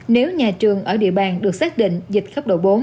nếu nhà trường ở địa bàn được xác định dịch cấp độ bốn